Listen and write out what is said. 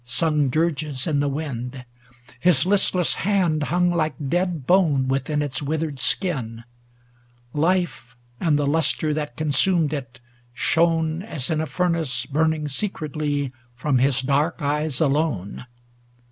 Sung dirges in the wind; his listless hand Hung like dead bone within its withered skin; 251 Life, and the lustre that consumed it shone, As in a furnace burning secretly. ALASTOR 37 From his dark eyes alone.